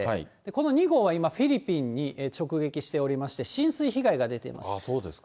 この２号は、今、フィリピンに直撃しておりまして、浸水被害が出ています。